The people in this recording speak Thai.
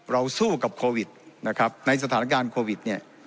สู้กับโควิดนะครับในสถานการณ์โควิดเนี่ย